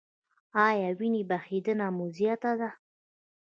ایا وینې بهیدنه مو زیاته ده؟